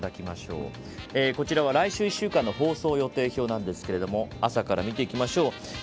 こちらは来週１週間の放送予定表なんですが朝から見ていきましょう。